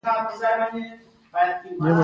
ګاونډي ته د عزت سترګو ګوره